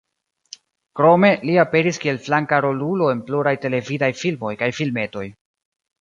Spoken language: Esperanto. Krome li aperis kiel flanka rolulo en pluraj televidaj filmoj kaj filmetoj.